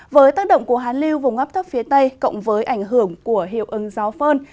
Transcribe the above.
với tác động của hán lưu vùng ấp thấp phía tây cộng với ảnh hưởng của hiệu ứng gió phơn